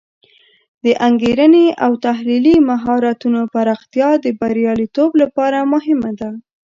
د انګیرنې او تحلیلي مهارتونو پراختیا د بریالیتوب لپاره مهمه ده.